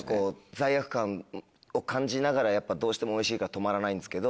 罪悪感を感じながらやっぱどうしてもおいしいから止まらないんですけど